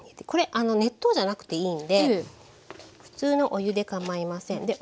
これ熱湯じゃなくていいんで普通のお湯でかまいません。